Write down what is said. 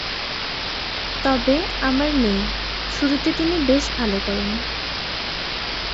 তবে, আমার নেই।’ শুরুতে তিনি বেশ ভালো করেন।